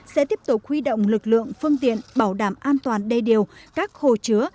sẽ tiếp tục huy động lực lượng phương tiện bảo đảm an toàn đầy điều các khổ chứa